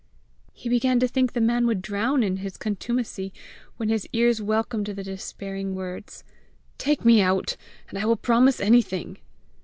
He had begun to think the man would drown in his contumacy, when his ears welcomed the despairing words "Take me out, and I will promise anything."